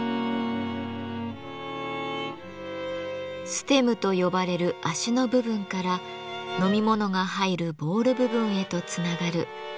「ステム」と呼ばれる脚の部分から飲み物が入るボウル部分へとつながるなだらかなライン。